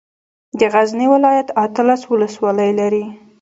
د غزني ولايت اتلس ولسوالۍ لري.